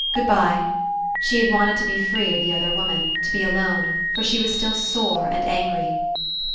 Good bye." She had wanted to be free of the other woman, to be alone; for she was still sore and angry.